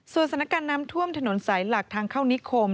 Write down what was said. สถานการณ์น้ำท่วมถนนสายหลักทางเข้านิคม